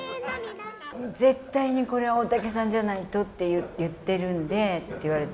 絶対にこれは大竹さんじゃないとって言っているんでって言われて。